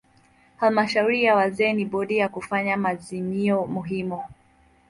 Halmashauri ya wazee ni bodi ya kufanya maazimio muhimu.